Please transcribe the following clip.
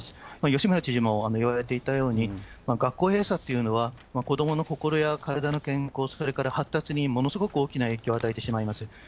吉村知事も言われていたように、学校閉鎖というのは、子どもの心や体の健康、それから発達にものすごく大きな影響を与えてしまいます。